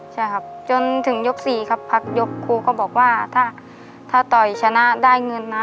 ใช่ครับจนถึงยก๔ครับพักยกครูก็บอกว่าถ้าต่อยชนะได้เงินนะ